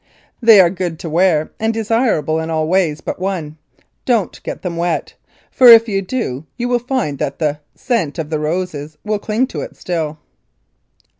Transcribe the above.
They are good to wear and desirable in all ways but one don't get them wet, for if you do you will find that "the scent of the roses will cling to it still."